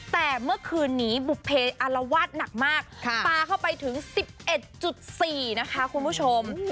แต่เมื่อคืนนี้บุภเพออารวาสหนักมากปลาเข้าไปถึง๑๑๔นะคะคุณผู้ชม